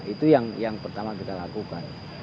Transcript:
itu yang pertama kita lakukan